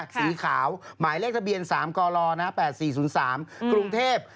สีขาวหมายเลขทะเบียน๓กล๘๔๐๓กรุงเทพฯ